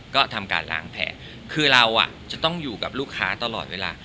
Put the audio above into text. ก็ทำการล้างแผลคือเราจะต้องอยู่กับลูกค้าตลอดเวลา